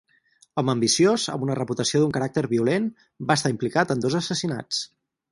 Home ambiciós, amb una reputació d'un caràcter violent, va estar implicat en dos assassinats.